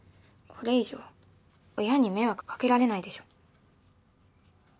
これ以上親に迷惑掛けられないでしょ。